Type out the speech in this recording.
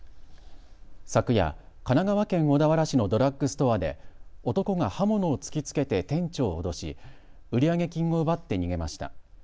昨夜、神奈川県小田原市のドラッグストアで男が刃物を突きつけて店長を脅し売上金を奪って逃げました。